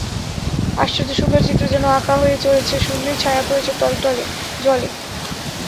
আশ্চর্য সুন্দর চিত্র যেন আঁকা হয়ে চলেছে শূন্যে, ছায়া পড়েছে টলটলে জলে।